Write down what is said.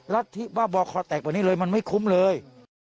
รัฐธิบ้าบอคอแตกแบบนี้เลยมันไม่คุ้มเลย